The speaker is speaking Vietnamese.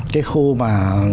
cái khu mà